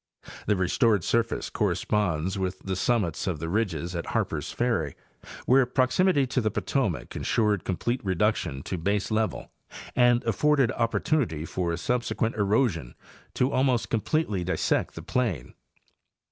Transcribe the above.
The restored surface corresponds with the summits of the ridges at Harpers Ferry, where proximity to the Potomac insured complete reduction to baselevel and afforded opportunity for subsequent erosion to almost completely dissect the plain.